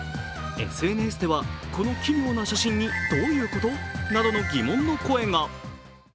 ＳＮＳではこの奇妙な写真にどういうこと？などの疑問の声が。